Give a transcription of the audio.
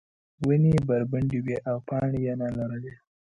ونې بربنډې وې او پاڼې یې نه لرلې.